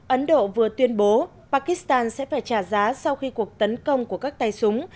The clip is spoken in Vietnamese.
ấn độ vừa tuyên bố pakistan sẽ phải trả giá sau khi cuộc tấn công của các tay súng